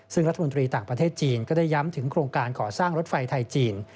ซึ่งรัฐมนตรีต่างประเทศจีนก็ได้ย้ำถึงโครงการก่อสร้างรถไฟไทยจีน